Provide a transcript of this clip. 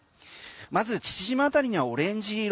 まず父島あたりにはオレンジ色。